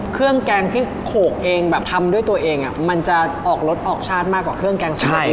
เครื่องแกงที่โขกเองแบบทำด้วยตัวเองอ่ะมันจะออกรสออกชาติมากกว่าเครื่องแกงสีทุกข์